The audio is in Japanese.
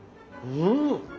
うん。